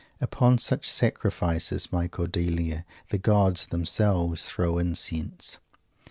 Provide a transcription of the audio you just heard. "Upon such sacrifices, my Cordelia, the gods themselves throw incense."